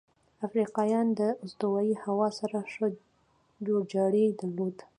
افریقایان د استوایي هوا سره ښه جوړجاړی درلود.